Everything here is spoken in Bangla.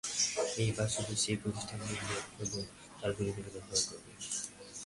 এই বাস শুধু সেই প্রতিষ্ঠানেরই লোক এবং তাঁর পরিবার ব্যবহার করবেন।